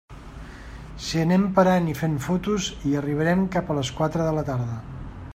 Si anem parant i fent fotos, hi arribarem cap a les quatre de la tarda.